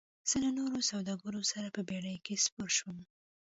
زه له نورو سوداګرو سره په بیړۍ کې سپار شوم.